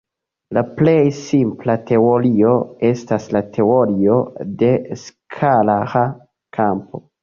La plej simpla teorio estas la teorio de skalara kampo.